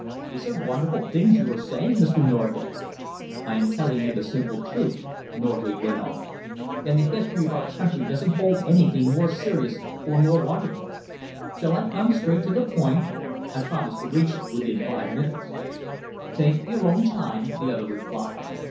"These are wonderful things you are saying, Mr. Norgate!" "I am telling you the simple truth," Norgate went on, "and the history of our country doesn't hold anything more serious or more wonderful. Shall I come straight to the point? I promised to reach it within five minutes." "Take your own time," the other replied.